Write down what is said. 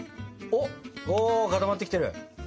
お固まってきてる！